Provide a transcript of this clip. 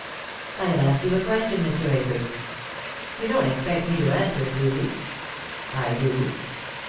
"I have asked you a question, Mr. Akers." "You don't expect me to answer it, do you?" "I do."